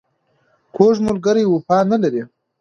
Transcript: کوږ ملګری وفا نه لري